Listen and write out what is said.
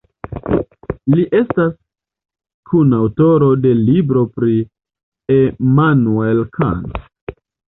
Li estas kunaŭtoro de libro pri Immanuel Kant.